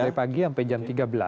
dari pagi sampai jam tiga belas